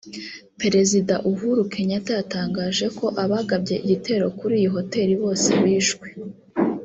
Perezida Uhuru Kenyatta yatangaje ko abagabye igitero kuri iyi hotel bose bishwe